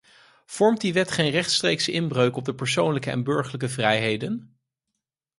Vormt die wet geen rechtstreekse inbreuk op de persoonlijke en burgerlijke vrijheden?